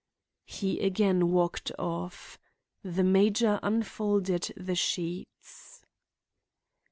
He again walked off. The major unfolded the sheets.